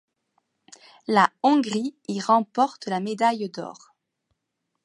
La Hongrie y remporte la médaille d'or.